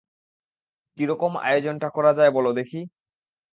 কী রকম আয়োজনটা করা যায় বলো দেখি।